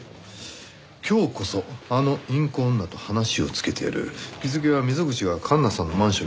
「今日こそあのインコ女と話をつけてやる」日付は溝口が環那さんのマンションに行った日です。